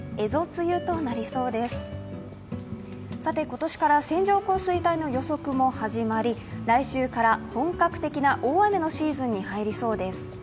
今年から線状降水帯の予測も始まり来週から本格的な大雨のシーズンに入りそうです。